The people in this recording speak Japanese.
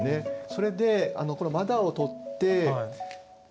それでこの「まだ」を取って。